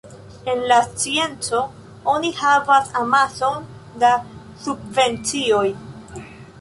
En la scienco oni havas amason da subvencioj.